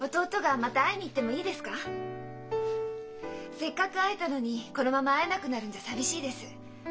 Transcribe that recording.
せっかく会えたのにこのまま会えなくなるんじゃ寂しいです。